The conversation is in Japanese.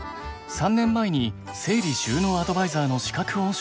３年前に整理収納アドバイザーの資格を取得。